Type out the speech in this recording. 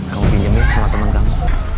kamu pinjamin sama temen kamu